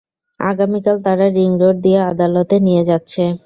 আগামীকাল তারা ring road দিয়ে আদালতে নিয়ে যাচ্ছে।